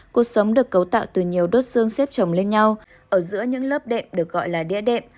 cuộc sống được cấu tạo từ nhiều đốt xương xếp trồng lên nhau ở giữa những lớp đệm được gọi là đĩa đệm